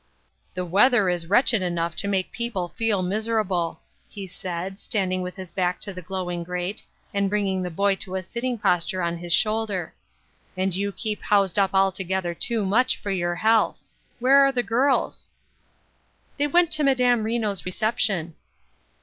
"The weather is wretched enough to make peo ple feel miserable," he said, standing with his back to the glowing grate, and bringing the boy to a sitting posture on his shoulder; "and you keep housed up altogether too much for your health. Where are the girls ?" "They went to Madame Reno's reception."